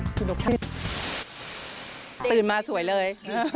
ตื่นมาสวยเลย